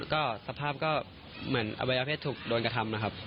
ก็สภาพก็เหมือนอวัยวเพศถูกโดนกระทำนะครับ